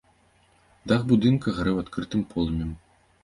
Дах будынка гарэў адкрытым полымем.